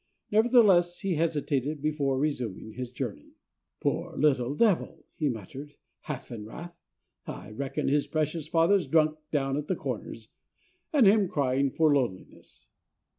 Nevertheless he hesitated before resuming his journey. "Poor little devil!" he muttered, half in wrath. "I reckon his precious father's drunk down at 'the Corners,' and him crying for loneliness!"